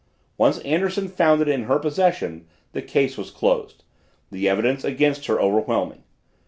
Once Anderson found it in her possession the case was closed, the evidence against her overwhelming.